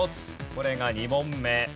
これが２問目。